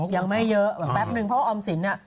ยังไม่เยอะแป๊บนึงเพราะออมสินน่ะ